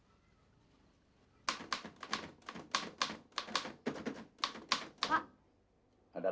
menjadi kemampuan anda